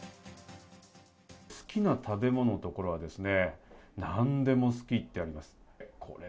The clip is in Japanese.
好きな食べ物のところはですね、何でも好きとあります。